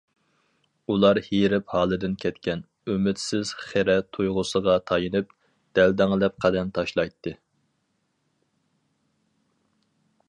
ئۇلار ھېرىپ ھالىدىن كەتكەن، ئۈمىدسىز خىرە تۇيغۇسىغا تايىنىپ، دەلدەڭلەپ قەدەم تاشلايتتى.